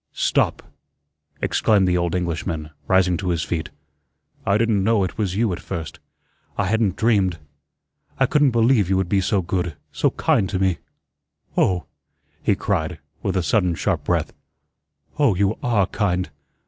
"Stop," exclaimed the old Englishman, rising to his feet. "I didn't know it was you at first. I hadn't dreamed I couldn't believe you would be so good, so kind to me. Oh," he cried, with a sudden sharp breath, "oh, you ARE kind.